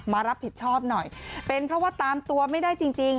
มารับผิดชอบหน่อยเป็นเพราะว่าตามตัวไม่ได้จริงจริง